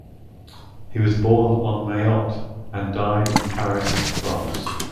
He was born on Mayotte and died in Paris, France.